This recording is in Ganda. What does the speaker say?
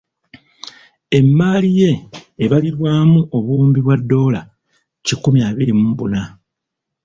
Emmaali ye ebalirirwamu obuwumbi bwa ddoola kikumi abiri mu buna.